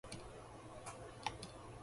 そろそろ来年のカレンダーを買わないと